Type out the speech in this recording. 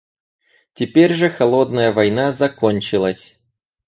Теперь же «холодная война» закончилась.